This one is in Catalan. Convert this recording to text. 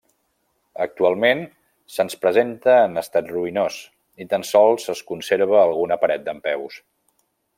Actualment se’ns presenta en estat ruïnós, i tan sols es conserva alguna paret dempeus.